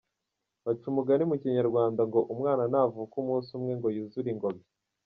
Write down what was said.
Baca umugani mu Kinyarwanda ngo “umwana ntavuka umunsi umwe ngo yuzure ingobyi”.